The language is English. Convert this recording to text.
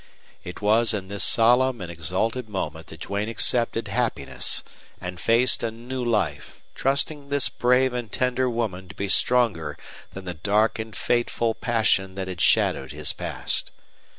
It was in this solemn and exalted moment that Duane accepted happiness and faced a new life, trusting this brave and tender woman to be stronger than the dark and fateful passion that had shadowed his past.